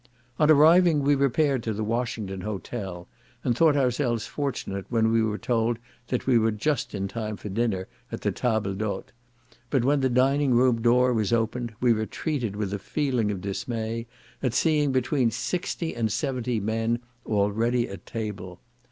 On arriving we repaired to the Washington Hotel, and thought ourselves fortunate when we were told that we were just in time for dinner at the table d'hôte; but when the dining room door was opened, we retreated with a feeling of dismay at seeing between sixty and seventy men already at table.